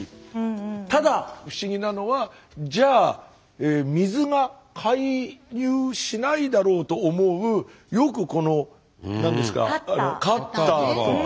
ただ不思議なのはじゃあ水が介入しないだろうと思うよくこの何ですかカッターとか。